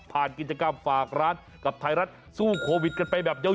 กิจกรรมฝากร้านกับไทยรัฐสู้โควิดกันไปแบบยาว